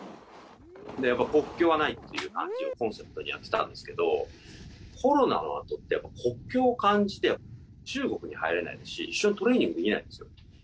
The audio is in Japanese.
やっぱり国境はないっていう感じをコンセプトでやってたんですけれども、コロナのあとって、やっぱり国境を感じて、中国に入れないですし、一緒にトレーニングができないんですよ。